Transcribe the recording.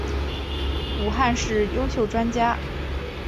武汉市优秀专家。